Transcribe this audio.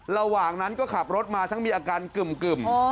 ระหว่างนั้นก็ขับรถมาทั้งมีอาการกึ่ม